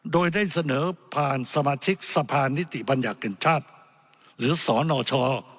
โดยได้เสนอผ่านสมาชิกสะพานนิติบัญญัติแห่งชาติหรือสนช